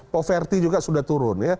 poverty juga sudah turun ya